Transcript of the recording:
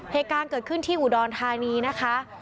เหตุการณ์เกิดขึ้นที่อุดรธานีนะคะ